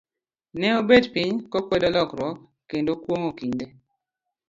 Ne obet piny, kokwedo lokruok, kendo kuong'o kinde.